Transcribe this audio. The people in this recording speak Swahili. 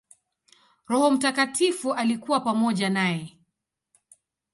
Roho Mtakatifu alikuwa pamoja naye.